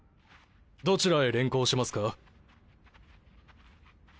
どちらへ連行しますか？